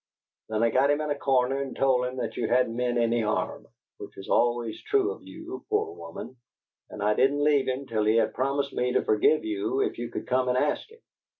Then I got him in a corner and told him that you hadn't meant any harm which is always true of you, poor woman! and I didn't leave him till he had promised me to forgive you if you would come and ask him.